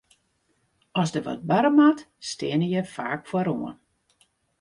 As der wat barre moat, steane je faak foaroan.